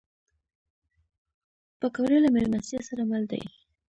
پکورې له میلمستیا سره مل دي